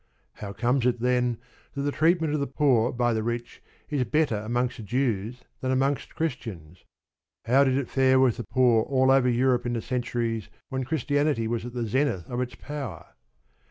How comes it, then, that the treatment of the poor by the rich is better amongst Jews than amongst Christians? How did it fare with the poor all over Europe in the centuries when Christianity was at the zenith of its power?